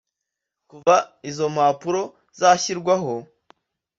Kuva izo mpapuro zashyirwaho